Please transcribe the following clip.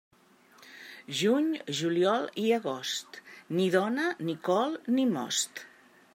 Juny, juliol i agost, ni dona, ni col, ni most.